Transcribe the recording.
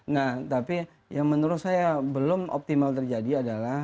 nah tapi yang menurut saya belum optimal terjadi adalah